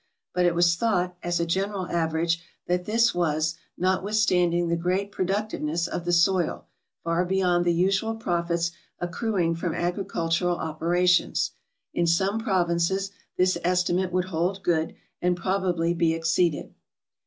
; but it was thought, as a general average, that this was, notwithstanding the great productiveness of the soil, far beyond the usual profits ac cruing from agricultural operations. In some provinces this estimate would hold good, and probably be exceeded.